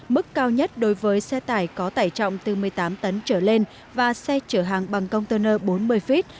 mức cao nhất đối với xe tải có tải trọng từ một mươi tám tấn trở lên và xe chở hàng bằng container bốn mươi feet